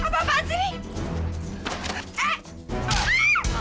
apa apaan sih ini